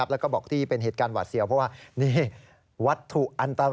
แล้วก็บอกที่เป็นเหตุการณ์หวาดเสียวเพราะว่านี่วัตถุอันตราย